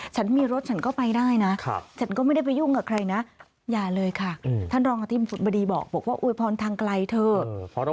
ฉันมีรถฉันก็ไปได้นะฉันก็ไม่ได้ไปยุ่งกับใครนะอย่าเลยค่ะคือ